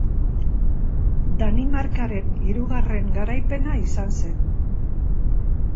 Danimarkaren hirugarren garaipena izan zen.